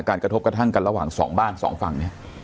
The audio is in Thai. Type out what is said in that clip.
กระทบกระทั่งกันระหว่างสองบ้านสองฝั่งเนี่ย